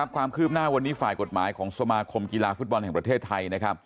ความคืบหน้าวันนี้ฝ่ายกฎหมายของสมาคมกีฬาฟุตบอลแห่งประเทศไทย